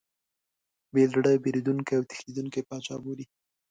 بې زړه، بېرندوکی او تښتېدلی پاچا بولي.